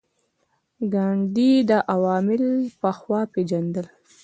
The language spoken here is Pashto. ګاندي دا عوامل پخوا پېژندل.